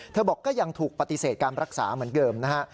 บอกก็ยังถูกปฏิเสธการรักษาเหมือนเดิมนะฮะ